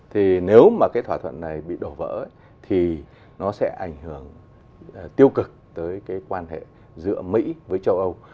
thì nếu mà cái thỏa thuận này bị đổ vỡ thì nó sẽ ảnh hưởng tiêu cực tới cái quan hệ giữa mỹ với châu âu